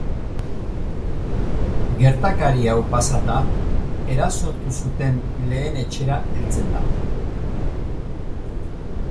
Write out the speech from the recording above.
Gertakari hau pasata, erasotu zuten lehen etxera heltzen da.